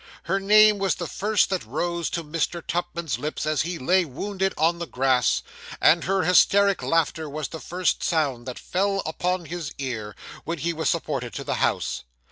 Her name was the first that rose to Mr. Tupman's lips as he lay wounded on the grass; and her hysteric laughter was the first sound that fell upon his ear when he was supported to the house.